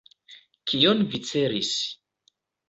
Kion vi celis?